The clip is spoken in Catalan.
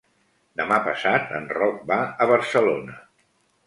Demà passat en Roc va a Barcelona.